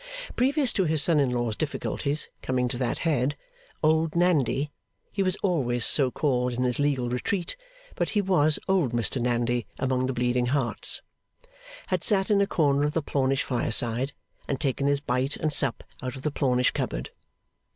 Previous to his son in law's difficulties coming to that head, Old Nandy (he was always so called in his legal Retreat, but he was Old Mr Nandy among the Bleeding Hearts) had sat in a corner of the Plornish fireside, and taken his bite and sup out of the Plornish cupboard.